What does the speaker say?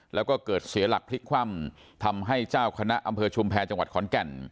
แล้วก็เกิดเสียหลักพลิกคว่ำทำให้เจ้าคณะอำเภอชุมแพรจังหวัดขอนแก่น